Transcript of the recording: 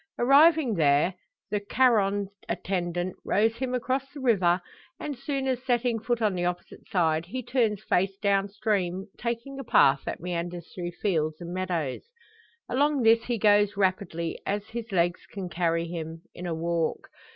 Arriving there, the Charon attendant rows him across the river; and, soon as setting foot on the opposite side, he turns face down stream, taking a path that meanders through fields and meadows. Along this he goes rapidly as his legs can carry him in a walk.